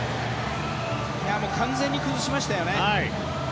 完全に崩しましたよね。